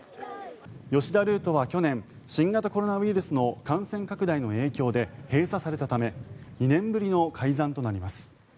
吉田ルートは去年新型コロナウイルスの感染拡大の影響で閉鎖されたため２年ぶりの開山となります。